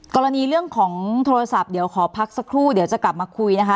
กรณีเรื่องของโทรศัพท์เดี๋ยวขอพักสักครู่เดี๋ยวจะกลับมาคุยนะคะ